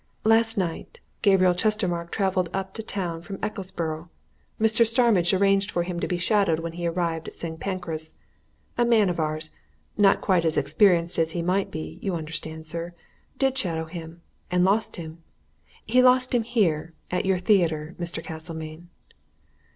Last night Gabriel Chestermarke travelled up to town from Ecclesborough Mr. Starmidge arranged for him to be shadowed when he arrived at St. Pancras. A man of ours not quite as experienced as he might be, you understand, sir did shadow him and lost him. He lost him here at your theatre, Mr. Castlemayne."